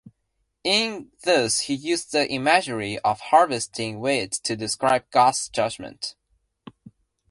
In this he uses the imagery of harvesting wheat to describe God's judgement.